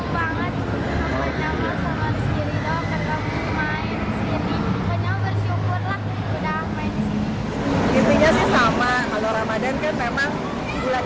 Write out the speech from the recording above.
baru pertama kali seneng banget ketemu sama rizky rido ketemu main